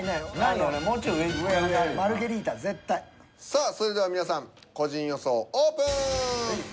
さあそれでは皆さん個人予想オープン！